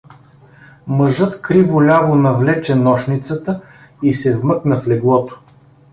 Мъжът криво-ляво навлече нощницата и се вмъкна в леглото.